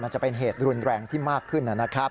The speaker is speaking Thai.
จะเป็นเหตุรุนแรงที่มากขึ้นนะครับ